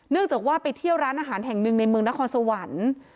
จากว่าไปเที่ยวร้านอาหารแห่งหนึ่งในเมืองนครสวรรค์